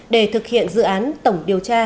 để thực hiện dự án tổng điều tra